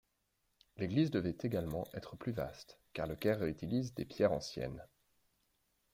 L'église devait également être plus vaste, car le chœur réutilise des pierres anciennes.